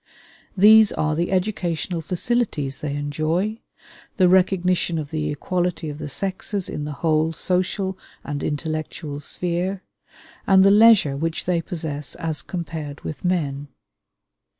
These are the educational facilities they enjoy, the recognition of the equality of the sexes in the whole social and intellectual sphere, and the leisure which they possess as compared with men.